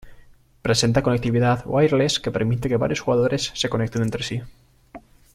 Presenta conectividad "wireless" que permite que varios jugadores se conecten entre sí.